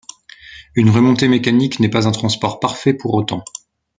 Une remontée mécanique n'est pas un transport parfait pour autant.